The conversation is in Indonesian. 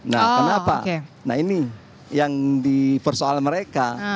nah kenapa nah ini yang dipersoal mereka